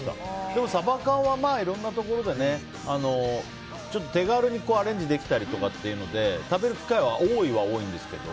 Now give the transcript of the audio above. でも、サバ缶はいろんなところでね、手軽にアレンジできたりっていうので食べる機会は多いは多いんですけど。